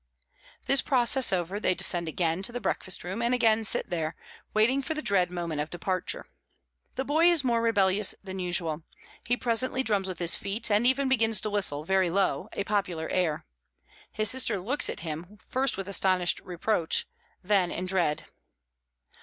This process over, they descend again to the breakfast room, and again sit there, waiting for the dread moment of departure. The boy is more rebellious than usual; he presently drums with his feet, and even begins to whistle, very low, a popular air. His sister looks at him, first with astonished reproach, then in dread.